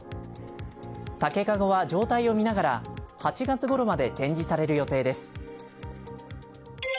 竹駕籠は状態を見ながら８月ごろまで展示される予定です。